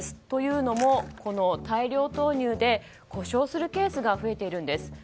というのも大量投入で故障するケースが増えているんです。